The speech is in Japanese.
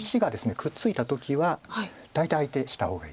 くっついた時は大体相手した方がいいです。